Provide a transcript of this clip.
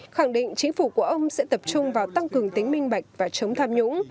khẳng định chính phủ của ông sẽ tập trung vào tăng cường tính minh bạch và chống tham nhũng